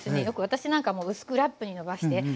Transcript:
よく私なんかもう薄くラップにのばして。